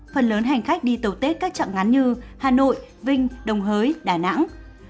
phần lớn hành khách đi tàu tết các trạng ngắn như hà nội vinh đồng hới đà nẵng